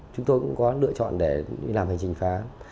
chúng tôi cũng có lựa chọn để đi làm hành trình phá